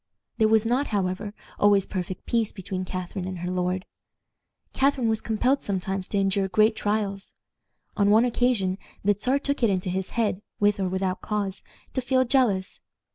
There was not, however, always perfect peace between Catharine and her lord. Catharine was compelled sometimes to endure great trials. On one occasion the Czar took it into his head, with or without cause, to feel jealous.